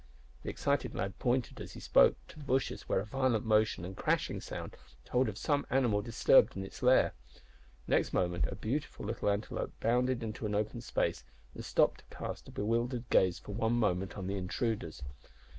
The excited lad pointed, as he spoke, to the bushes, where a violent motion and crashing sound told of some animal disturbed in its lair. Next moment a beautiful little antelope bounded into an open space, and stopped to cast a bewildered gaze for one moment on the intruders.